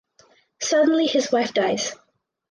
Suddenly his wife dies.